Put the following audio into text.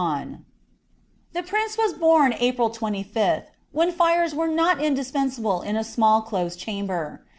99 The prince was bom April 25th, when fires were not indispensable in a small, close chamber.